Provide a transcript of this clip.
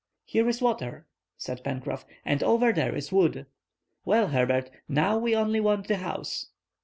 "Here is water," said Pencroff, "and over there is wood. Well, Herbert, now we only want the house."